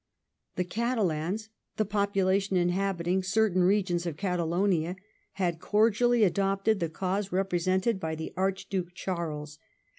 The Catalans, the population inhabiting certain regions of Catalonia, had cordially adopted the cause represented by the Archduke Charles.